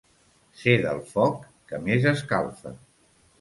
Ser del foc que més escalfa.